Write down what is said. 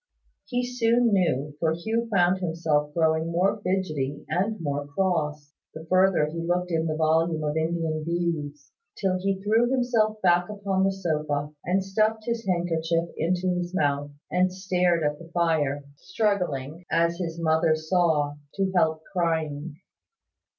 He soon knew, for Hugh found himself growing more fidgety and more cross, the further he looked in the volume of Indian Views, till he threw himself back upon the sofa, and stuffed his handkerchief into his mouth, and stared at the fire, struggling, as his mother saw, to help crying.